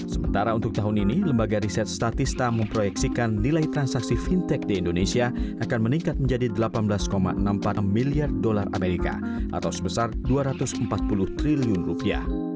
sementara untuk tahun ini lembaga riset statista memproyeksikan nilai transaksi fintech di indonesia akan meningkat menjadi delapan belas enam puluh empat miliar dolar amerika atau sebesar dua ratus empat puluh triliun rupiah